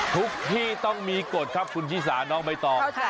ทุกที่ต้องมีกฎครับคุณชิสาน้องใบตอง